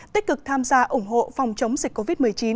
tích cực tham gia ủng hộ phòng chống dịch covid một mươi chín